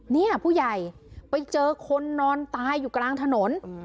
เนี่ยผู้ใหญ่ไปเจอคนนอนตายอยู่กลางถนน